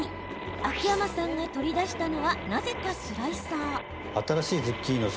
秋山さんが取り出したのはなぜかスライサー。